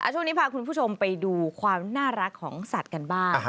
ช่วงนี้พาคุณผู้ชมไปดูความน่ารักของสัตว์กันบ้าง